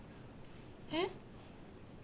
えっ？